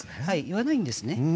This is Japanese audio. はい言わないんですね。